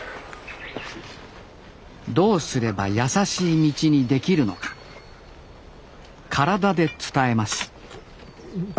どうすればやさしい道にできるのか体で伝えます